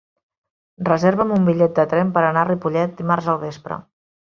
Reserva'm un bitllet de tren per anar a Ripollet dimarts al vespre.